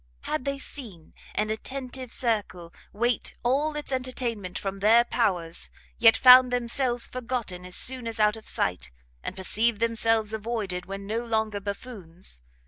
had they seen an attentive circle wait all its entertainment from their powers, yet found themselves forgotten as soon as out of sight, and perceived themselves avoided when no longer buffoons!